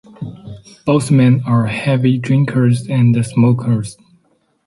Both men are heavy drinkers and smokers.